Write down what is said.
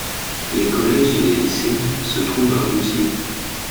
Les collèges et les lycées se trouvent à Vouziers.